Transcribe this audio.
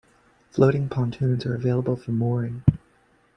Floating pontoons are available for mooring.